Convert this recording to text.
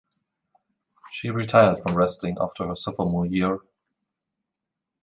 She retired from wrestling after her sophomore year.